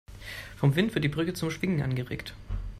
Vom Wind wird die Brücke zum Schwingen angeregt.